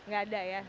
gak ada ya